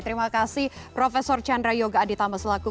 terima kasih prof chandra yoga aditama selaku